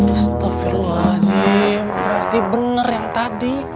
astagfirullahaladzim berarti bener yang tadi